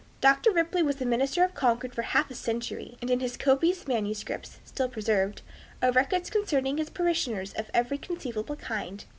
Dr. Ripley was the minister of Concord for half a century, and in his copious manuscripts, still preserved, are records concerning his parishioners of every conceivable kind.